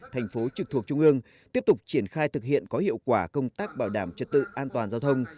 thành phố trực thuộc trung ương tiếp tục triển khai thực hiện có hiệu quả công tác bảo đảm trật tự an toàn giao thông